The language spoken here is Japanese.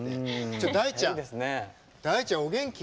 ちょっと大ちゃんお元気？